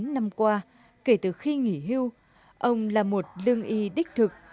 hai mươi chín năm qua kể từ khi nghỉ hưu ông là một lương y đích thực